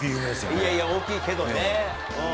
いやいや大きいけどね。